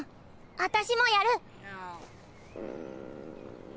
あたしもやる。